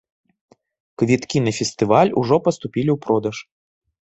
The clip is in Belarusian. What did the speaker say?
Квіткі на фестываль ужо паступілі ў продаж.